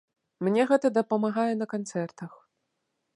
Мне гэта дапамагае на канцэртах.